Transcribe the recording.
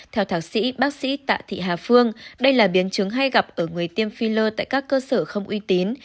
theo thạc sĩ bác sĩ tạ thị hà phương đây là biến chứng hay gặp ở người tiêm filler tại các cơ sở không uy tín